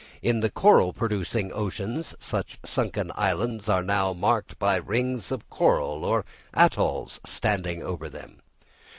In the coral producing oceans such sunken islands are now marked by rings of coral or atolls standing over them.